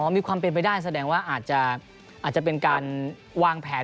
มีความเป็นไปได้แสดงว่าอาจจะเป็นการวางแผน